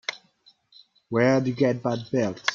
Where'd you get that belt?